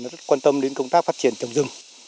rất quan tâm đến công tác phát triển trồng rừng